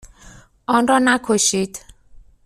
آن را نکشید.